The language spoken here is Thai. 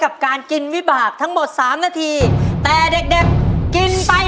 อันนี้ในตัวที่เลยมั้ย